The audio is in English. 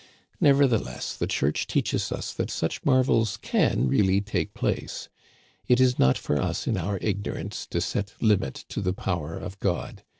Nevertheless, the Church teaches us that such marvels can really take place. It is not for us in our ignorance to set limit to the power of God.